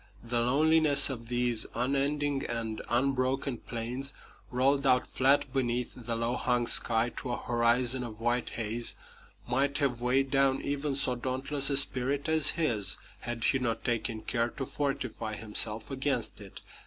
The loneliness of these unending and unbroken plains, rolled out flat beneath the low hung sky to a horizon of white haze, might have weighed down even so dauntless a spirit as his had he not taken care to fortify himself against it.